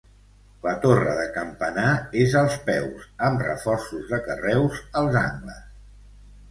La torre de campanar és als peus, amb reforços de carreus als angles.